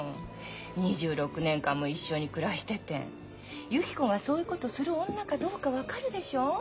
２６年間も一緒に暮らしててゆき子がそういうことをする女かどうか分かるでしょ？